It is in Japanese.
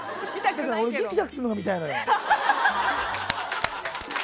俺ギクシャクするの見たいんだよ。